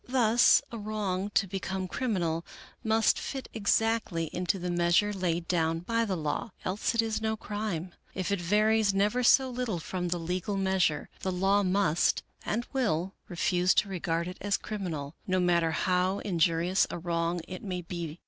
Thus a wrong, to become criminal, must fit exactly into the measure laid down by the law, else it is no crime ; if it varies never so little from the legal measure, the law must, and will, refuse to regard it as criminal, no matter how injurious a wrong it may be.